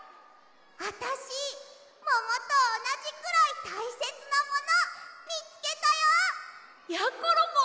あたしももとおなじくらいたいせつなものみつけたよ！やころも！